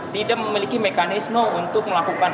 tidak memiliki mekanisme untuk melakukan